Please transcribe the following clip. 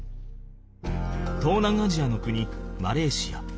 東南アジアの国マレーシア。